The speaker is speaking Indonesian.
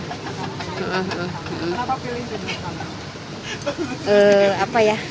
kenapa pilih deddy